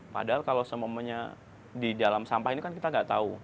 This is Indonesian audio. padahal kalau semuanya di dalam sampah ini kan kita nggak tahu